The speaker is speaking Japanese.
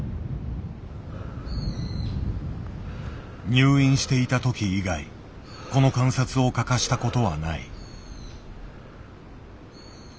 入院していたとき以外この観察を欠かしたことはない。